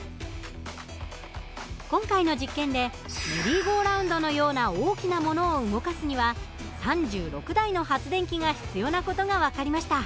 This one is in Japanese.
今回の実験でメリーゴーラウンドのような大きなものを動かすには３６台の発電機が必要な事が分かりました。